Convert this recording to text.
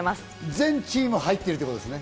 全チーム入ってるってことですね。